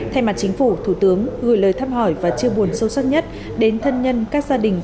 thay mặt chính phủ thủ tướng gửi lời thăm hỏi và chia buồn sâu sắc nhất đến thân nhân các gia đình